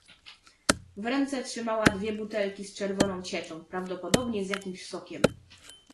"W ręce trzymała dwie butelki z czerwoną cieczą, prawdopodobnie z jakimś sokiem."